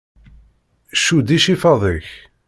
Cudd icifaḍ-ik!